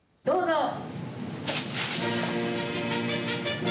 どうぞ。